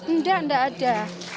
enggak enggak ada